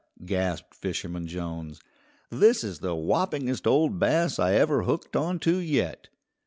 gasped Fisherman Jones, "this is the whoppingest old bass I ever hooked onto yet.